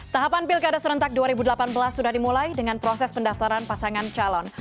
tahapan pilkada serentak dua ribu delapan belas sudah dimulai dengan proses pendaftaran pasangan calon